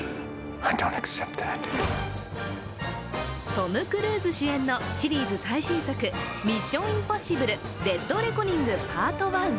トム・クルーズ主演のシリーズ最新作、「ミッション：インポッシブル／デッドレコニングＰＡＲＴＯＮＥ」